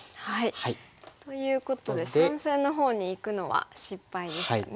ということで三線のほうにいくのは失敗でしたね。